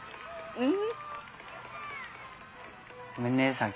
うん。